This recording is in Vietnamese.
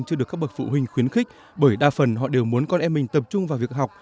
chưa được các bậc phụ huynh khuyến khích bởi đa phần họ đều muốn con em mình tập trung vào việc học